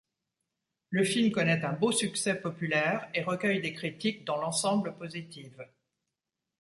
Le film connait un beau succès populaire et recueille des critiques dans l'ensemble positives.